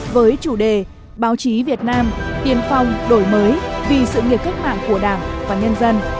với chủ đề báo chí việt nam tiên phong đổi mới vì sự nghiệp cách mạng của đảng và nhân dân